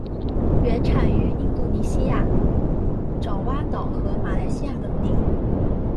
原产于印度尼西亚爪哇岛和马来西亚等地。